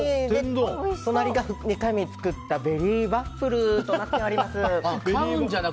隣が２回目に作ったベリーワッフルとなっております。